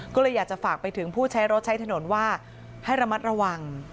ก็เลยอยากจะฝากไปถึงผู้ใช้รถใช้ถนนว่าให้ระมัดระวัง